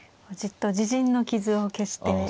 じっと自陣の傷を消して。